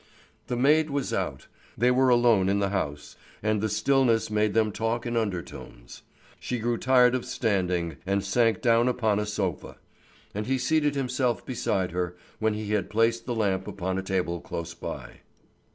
The maid was out. They were alone in the house, and the stillness made them talk in undertones. She grew tired of standing, and sank down upon a sofa; and he seated himself beside her, when he had placed the lamp upon a table close by.